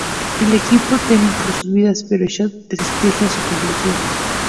El equipo teme por sus vidas, pero Spock les explica su conclusión.